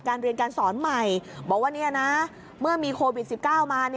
เรียนการสอนใหม่บอกว่าเมื่อมีโควิด๑๙มา